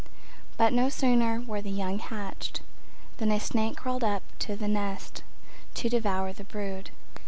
But no sooner were the young hatched Than a snake crawled up to the nest To devour the brood.